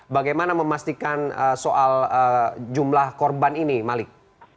bagaimana memastikan soal jumlah korban ini malik